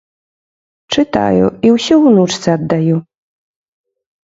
Чытаю і ўсё унучцы аддаю.